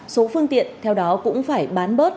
số phương tiện theo đó cũng phải bán bớt